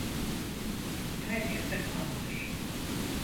Her yerde kan var.